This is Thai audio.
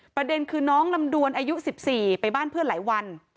ประเด็นคือน้องลำดวนอายุ๑๔ไปบ้านเพื่อนหลายวัน